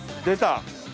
出た。